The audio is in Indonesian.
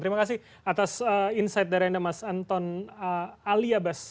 terima kasih atas insight dari anda mas anton aliabas